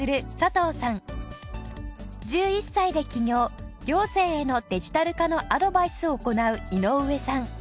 行政へのデジタル化のアドバイスを行う井上さん。